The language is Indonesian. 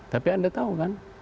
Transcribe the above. tapi anda tahu kan